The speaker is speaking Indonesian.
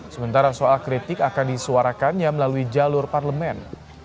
sementara soal kritik akan disuarakannya melalui jalur parlemen